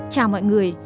chào mọi người